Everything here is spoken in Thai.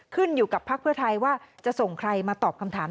ขึ้นอยู่กับภักดิ์เพื่อไทยว่าจะส่งใครมาตอบคำถาม